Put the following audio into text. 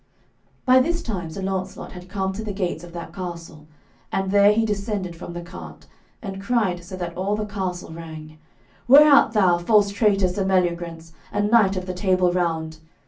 By this time Sir Launcelot had come to the gates of that castle, and there he descended from the cart, and cried so that all the castle rang: "Where art thou, false traitor Sir Meliagrance, and knight of the Table Round?